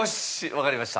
わかりました。